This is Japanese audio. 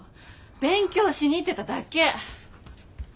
勉強しに行ってただけ。